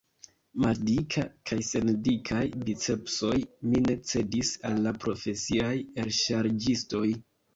Maldika, kaj sen dikaj bicepsoj, mi ne cedis al la profesiaj elŝarĝistoj.